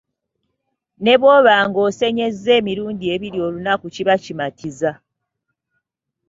Ne bw'oba ng'osenyezza emirundi ebiri olunaku kiba kimatiza.